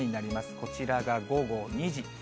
こちらが午後２時。